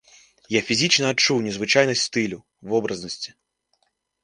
Я фізічна адчуў незвычайнасць стылю, вобразнасці.